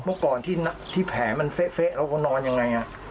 เมื่อก่อนที่แผลมันเฟะแล้วก็นอนยังไง